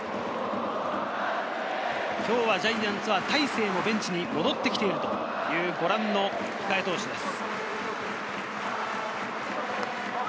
今日はジャイアンツは大勢もベンチに戻って来ている、ご覧の控え投手です。